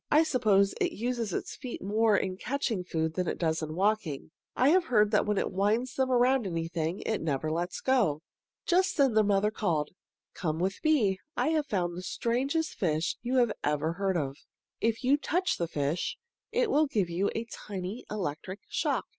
I suppose it uses its feet more in catching food than it does in walking. I have heard that when it winds them around anything it never lets go." Just then their mother called, "Come with me! I have found the strangest fish you ever heard of. If you touch the fish, it will give you a tiny electric shock.